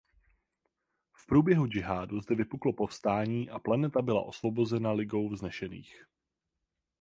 V průběhu Džihádu zde vypuklo povstání a planeta byla osvobozena Ligou vznešených.